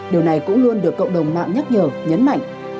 điều này cũng luôn được cộng đồng mạng nhắc nhở nhấn mạnh